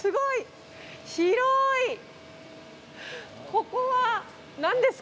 ここは何ですか？